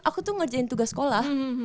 aku tuh ngerjain tugas sekolah